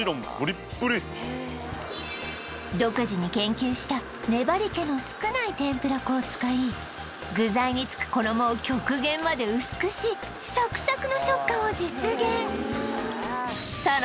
独自に研究した粘りけの少ない天ぷら粉を使い具材につく衣を極限まで薄くしサクサクの食感を実現